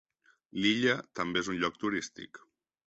L'illa també és un lloc turístic.